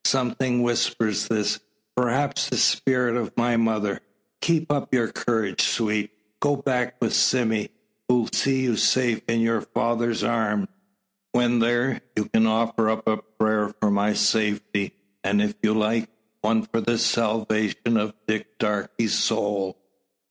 Something whispers this perhaps the spirit of my mother? Keep up your courage, sweet! Go back with Sime, who'll see you safe into your father's arms. When there, you can offer up a prayer for my safety, and if you like, one for the salvation of Dick Darke's soul.